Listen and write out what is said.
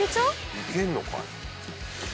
いけんのか。